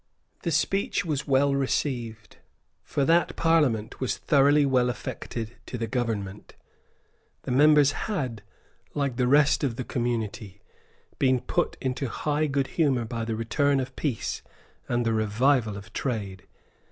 The speech was well received; for that Parliament was thoroughly well affected to the Government. The members had, like the rest of the community, been put into high good humour by the return of peace and by the revival of trade.